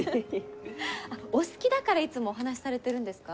あっ、お好きだからいつもお話しされてるんですか？